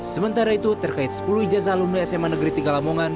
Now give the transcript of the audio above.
sementara itu terkait sepuluh ijazah alumni sma negeri tiga lamongan